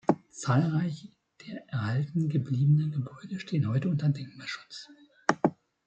Zahlreiche der erhalten gebliebenen Gebäude stehen heute unter Denkmalschutz.